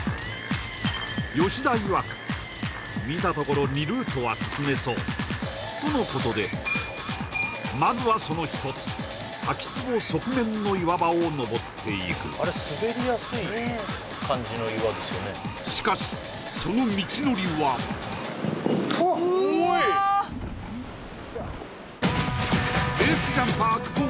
吉田いわく見たところ２ルートは進めそうとのことでまずはその１つ滝つぼ側面の岩場を登っていくしかしその道のりはうわ